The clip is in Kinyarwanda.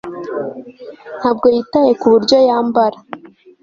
ntabwo yitaye kuburyo yambara